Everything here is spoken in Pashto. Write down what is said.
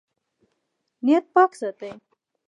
نیت پاک ساتئ